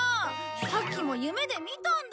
さっきも夢で見たんだよ。